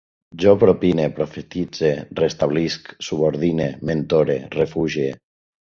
Jo propine, profetitze, restablisc, subordine, mentore, refugie